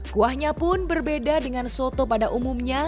kuahnya pun berbeda dengan soto pada umumnya